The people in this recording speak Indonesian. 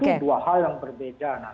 itu dua hal yang berbeda